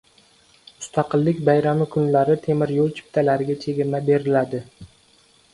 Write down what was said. Mustaqillik bayrami kunlari temir yo‘l chiptalariga chegirma beriladi